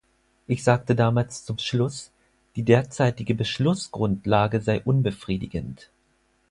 Ich sagte damals zum Schluss, die derzeitige Beschlussgrundlage sei unbefriedigend.